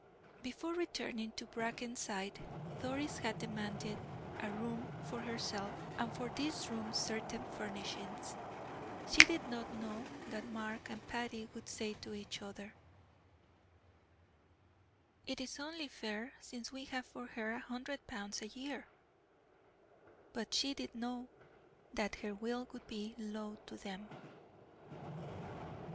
Before returning to Brackenside, Doris had demanded a room for herself, and for this room certain furnishings. She did not know that Mark and Patty would say to each other: "It is only fair, since we have for her a hundred pounds a year;" but she did know that her will would be law to them.